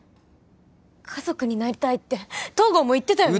家族になりたいって東郷も言ってたよね？